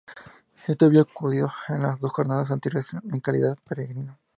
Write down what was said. Este había acudido a las dos jornadas anteriores en calidad de peregrino.